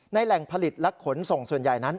แหล่งผลิตและขนส่งส่วนใหญ่นั้น